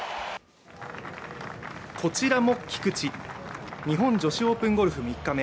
こちらも菊地、日本女子オープンゴルフ３日目。